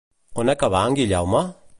On acabà en Guillaume?